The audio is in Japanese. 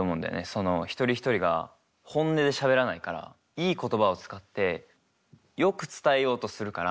その一人一人が本音でしゃべらないからいい言葉を使ってよく伝えようとするから。